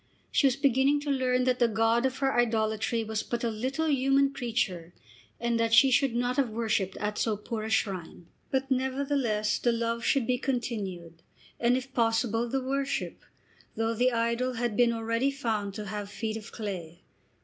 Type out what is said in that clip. She was beginning to learn that the god of her idolatry was but a little human creature, and that she should not have worshipped at so poor a shrine. But nevertheless the love should be continued, and, if possible, the worship, though the idol had been already found to have feet of clay.